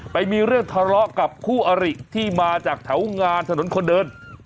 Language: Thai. ไปมีเรื่องทะเลาะกับคู่อริที่มาจากแถวงานถนนคนเดิน